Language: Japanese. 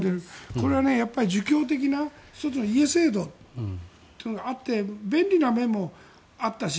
これは儒教的な１つの家制度があって便利な面もあったし